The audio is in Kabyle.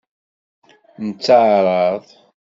Netteɛṛaḍ.